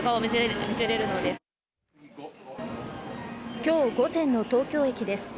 今日午前の東京駅です。